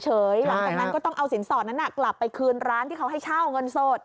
หลังจากนั้นก็ต้องเอาสินสอดนั้นกลับไปคืนร้านที่เขาให้เช่าเงินสด